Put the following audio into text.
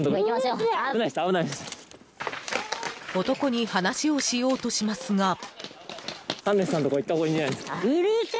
男に話をしようとしますが。